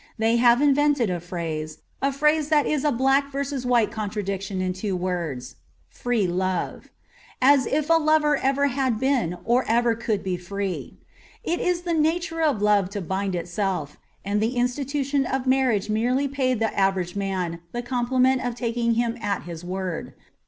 They haTe inrented a phrase, a phrase ttiat is a Uack r. white contradiction in two words —* free lore '— as if a Iotct erer had beoi or ever could be free. It is the nature of lore to bind itself, and the institution of marriage merely paid the aTerage man the rompKmgit of taking him at his word.